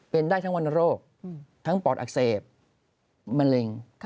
เป็นได้วันโรคปอดอักเสบมะลิง